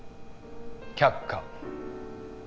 却下